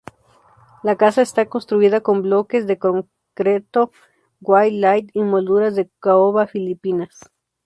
La casa está construida con bloques de concreto Way-Lite y molduras de caoba filipinas.